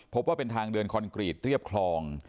พบว่าเป็นทางเดินคอนกรีตเรียบคลอง